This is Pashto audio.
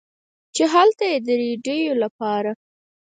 چې هلته ئې د رېډيو دپاره